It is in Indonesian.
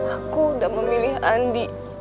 aku udah memilih andi